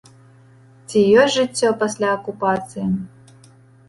Ці ёсць жыццё пасля акупацыі?